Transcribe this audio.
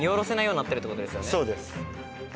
そうです。